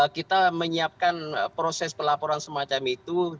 kita menyiapkan proses pelaporan semacam itu